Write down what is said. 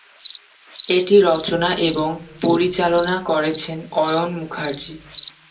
এটি রচনা এবং পরিচালনা করেছেন অয়ন মুখার্জি।